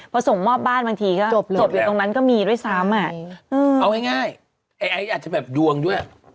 พอส่งมอบบ้านบางทีก็จบอยู่ตรงนั้นก็มีด้วยซ้ำอ่ะเอาง่ายไอ้ไอซ์อาจจะแบบดวงด้วย